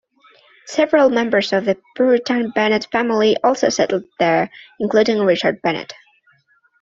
Several members of the Puritan Bennett family also settled there, including Richard Bennett.